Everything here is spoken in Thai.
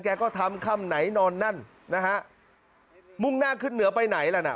ก็ทำค่ำไหนนอนนั่นนะฮะมุ่งหน้าขึ้นเหนือไปไหนล่ะน่ะ